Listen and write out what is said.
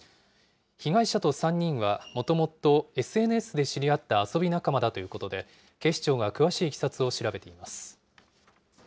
被害者と３人は、もともとＳＮＳで知り合った遊び仲間だということで、警視庁が詳しいいきさつを調べています。